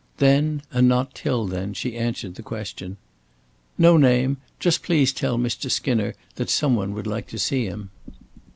Then, and not till then, she answered the question. "No name. Just please tell Mr. Skinner that some one would like to see him."